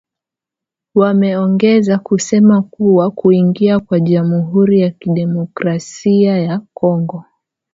Wameongeza kusema kuwa kuingia kwa jamhuri ya kidemokkrasia ya Kongo